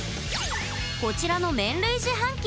こちらの麺類自販機。